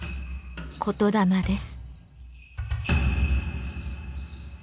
言霊です。